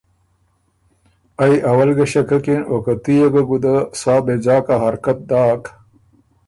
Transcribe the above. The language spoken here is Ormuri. ائ اوّل ګۀ ݭککِن او که تُو يې ګه ګُده سا بېځاکه حرکت داک